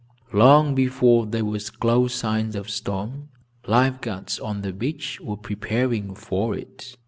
Long before there were close signs of storm, life guards, on the beach, were preparing for it.